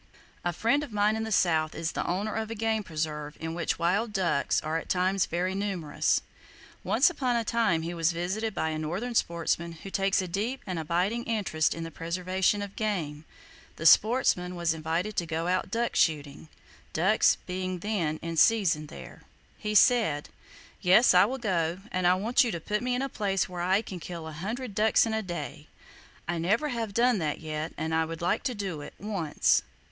—A friend of mine in the South is the owner of a game preserve in which wild ducks are at times very numerous. Once upon a time he was visited by a northern sportsmen who takes a deep and abiding interest in the preservation of game. The sportsman was invited to go out duck shooting; ducks being then in season there. He said: [Page 58] G. O. SHIELDS A notable defender of Wild Life "Yes, I will go; and I want you to put me in a place where I can kill a hundred ducks in a day! I never have done that yet, and I would like to do it, once!"